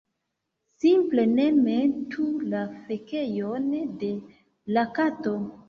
simple ne metu la fekejon de la kato